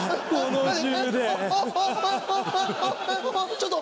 ちょっと！